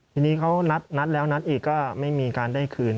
ทีนี้เขานัดแล้วนัดอีกก็ไม่มีการได้คืน